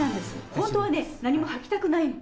本当はね何もはきたくないの。